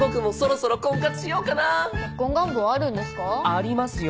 ありますよ。